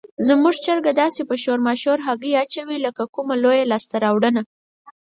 زموږ چرګه داسې په شور ماشور هګۍ اچوي لکه کومه لویه لاسته راوړنه.